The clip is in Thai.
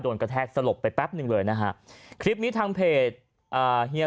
โดนกระแทกสลบไปแป๊บนึงเลยนะค่ะคลิปนี้ทางเพจเฮีย